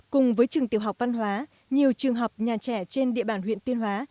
cùng với trường tiểu học văn hóa nhiều trường học nhà trẻ trên địa bàn huyện tuyên hóa